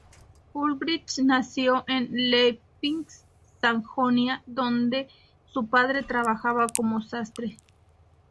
Ulbricht nació en Leipzig, Sajonia, donde su padre trabajaba como sastre.